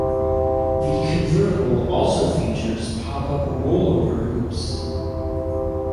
The convertible also features pop-up rollover hoops.